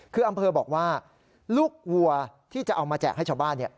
คืออำเภอบอกว่าลูกวัวที่จะเอามาแจกให้ชาวบ้าน